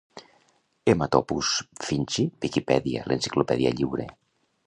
Haematopus finschi - Viquipèdia, l'enciclopèdia lliure